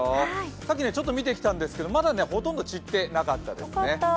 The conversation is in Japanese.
さっきちょっと見てきたんですけどほとんど散ってなかったですよ。